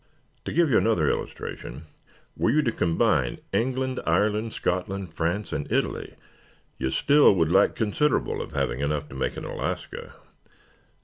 "To give you another illustration, were you to combine England, Ireland, Scotland, France and Italy, you still would lack considerable of having enough to make an Alaska.